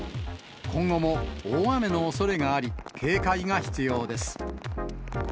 今後も大雨のおそれがあり、警戒が必要です。